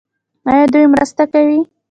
آیا دوی مرسته کوي؟